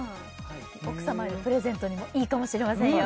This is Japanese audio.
奥様にプレゼントにもいいかもしれませんよ